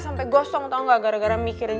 sampai gosong tau gak gara gara mikirin